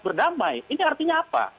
berdamai ini artinya apa